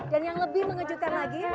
dan yang lebih mengejutkan lagi